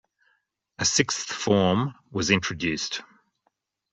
A Sixth Form was introduced.